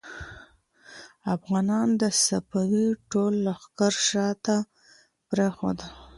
افغانانو د صفوي ټول لښکر شا ته پرېښود.